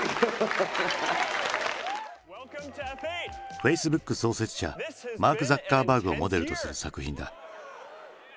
Ｆａｃｅｂｏｏｋ創設者マーク・ザッカーバーグをモデルとする作品だ。